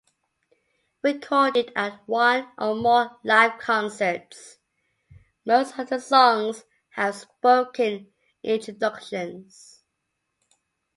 Recorded at one or more live concerts, most of the songs have spoken introductions.